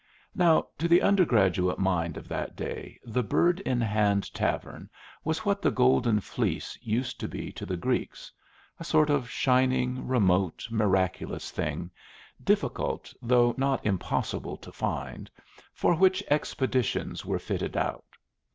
Now, to the undergraduate mind of that day the Bird in Hand tavern was what the golden fleece used to be to the Greeks, a sort of shining, remote, miraculous thing, difficult though not impossible to find, for which expeditions were fitted out.